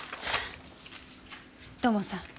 土門さん